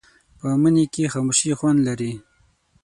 په مني کې خاموشي خوند لري